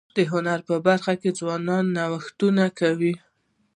د هنر په برخه کي ځوانان نوښتونه کوي.